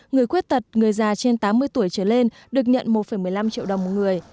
người khuyết tật người già trên tám mươi tuổi trở lên được nhận một một mươi năm triệu đồng một người